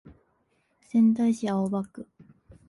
仙台市青葉区